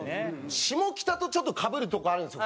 下北とちょっとかぶるとこあるんですよ